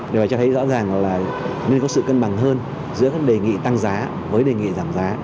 điều này cho thấy rõ ràng là nên có sự cân bằng hơn giữa các đề nghị tăng giá với đề nghị giảm giá